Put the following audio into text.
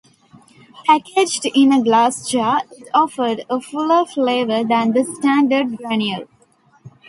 Packaged in a glass jar, it offered a fuller flavour than the standard granule.